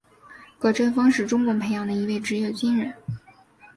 葛振峰是中共培养的一位职业军人。